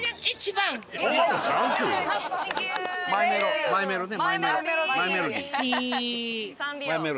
マイメロマイメロねマイメロ。